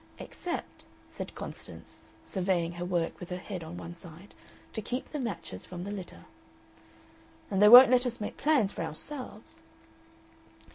"Except," said Constance, surveying her work with her head on one side, "to keep the matches from the litter." "And they won't let us make plans for ourselves."